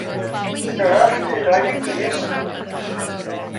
Gyrra'r llun 'na i fi plis.